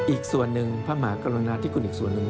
อีกส่วนหนึ่งพระมหากรุณาธิคุณอีกส่วนหนึ่ง